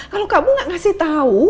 kalau kamu gak ngasih tahu